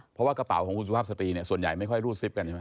เพราะว่ากระเป๋าของคุณสุภาพสตรีเนี่ยส่วนใหญ่ไม่ค่อยรูดซิปกันใช่ไหม